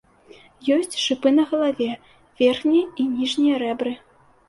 Ёсць шыпы на галаве, верхнія і ніжнія рэбры.